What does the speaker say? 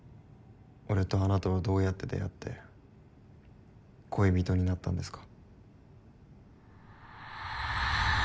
俺とあなたはどうやって出会って恋人になったんですか？